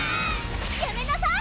・やめなさい！